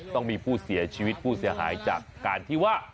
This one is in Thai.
ต้องมีผู้เสียชีวิตผู้เสียหายจากการที่ว่า